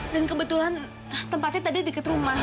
kebetulan tempatnya tadi dekat rumah